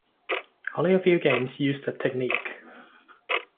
Only a few games used that technique.